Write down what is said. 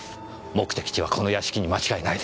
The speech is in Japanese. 目的地はこの屋敷に間違いないでしょう。